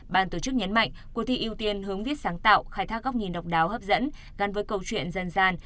ban tổ chức nhấn mạnh cuộc thi ưu tiên hướng viết sáng tạo khai thác góc nhìn độc đáo hấp dẫn gắn với câu chuyện dân gian